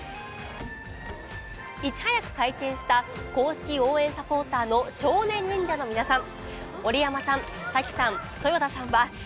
いち早く体験した公式応援サポーターの少年忍者の皆さん。